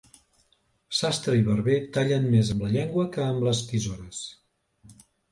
Sastre i barber tallen més amb la llengua que amb les tisores.